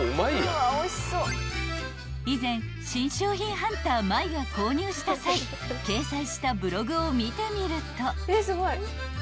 ［以前新商品ハンター舞が購入した際掲載したブログを見てみると］